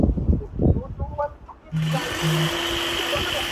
موږ بهرميشتي کډوال او کارګر کډوال